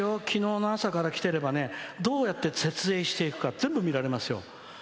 きのうの朝から来てればねどうやって設営していくか全部見えますよ。